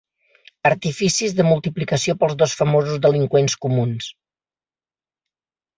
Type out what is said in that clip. Artificis de multiplicació pels dos famosos delinqüents comuns.